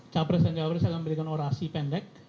capres dan jawa baris akan memberikan orasi pendek